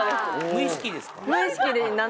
無意識ですか？